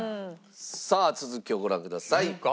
さあ続きをご覧ください。